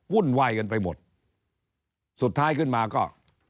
วุ่นวายกันไปหมดสุดท้ายขึ้นมาก็